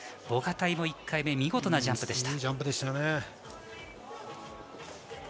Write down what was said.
ボガタイも１回目は見事なジャンプでした。